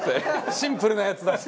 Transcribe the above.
シンプルなやつ出して。